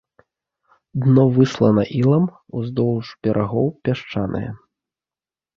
Дно выслана ілам, уздоўж берагоў пясчанае.